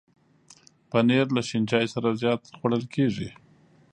پنېر له شین چای سره زیات خوړل کېږي.